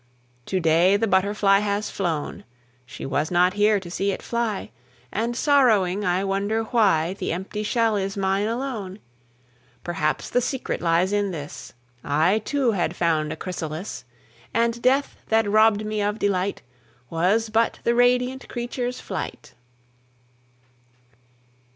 To day the butterfly has flown, She was not here to see it fly, And sorrowing I wonder why The empty shell is mine alone. Perhaps the secret lies in this: I too had found a chrysalis, And Death that robbed me of delight Was but the radiant creature's flight!